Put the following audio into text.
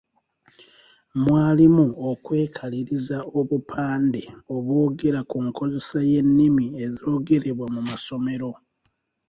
Mwalimu okwekaliriza obupande obwogera ku nkozesa y’ennimi ezoogerebwa mu masomero.